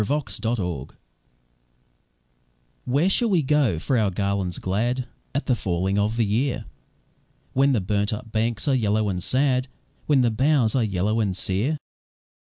A Song of Autumn "Where shall we go for our garlands glad At the falling of the year, When the burnt up banks are yellow and sad, When the boughs are yellow and sere?